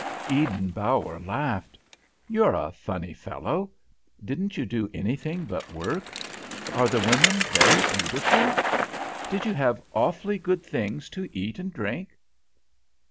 Eden Bower laughed. "You're a funny fellow. Didn't you do anything but work? Are the women very beautiful? Did you have awfully good things to eat and drink?"